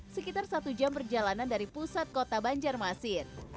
sekitar satu jam perjalanan dari pusat kota banjarmasin